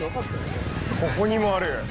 ここにもある。